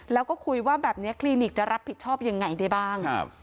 แล้วก็คุยว่าแบบนี้คลินิกจะรับผิดชอบยังไงได้บ้าง